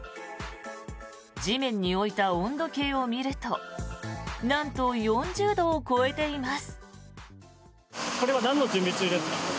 地面に置いた温度計を見るとなんと４０度を超えています。